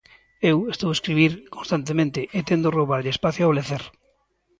Eu estou a escribir constantemente e tento roubarlle espazo ao lecer.